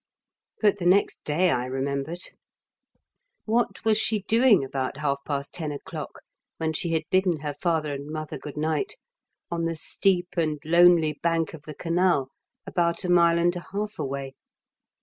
But the next day I remembered. What was she doing after half past ten o'clock, when she had bidden her father and mother goodnight, on the steep and lonely bank of the canal, about a mile and a half away?